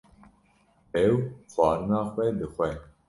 Dêw xwarina xwe dixwe